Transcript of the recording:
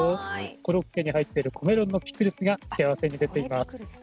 コロッケに入ってる子メロンのピクルスが付け合わせに出ています。